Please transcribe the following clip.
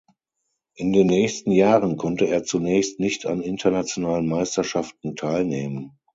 In den nächsten Jahren konnte er zunächst nicht an internationalen Meisterschaften teilnehmen.